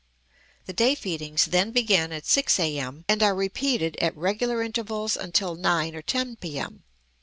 The day feedings then begin at 6 A.M., and are repeated at regular intervals until 9 or 10 P.M.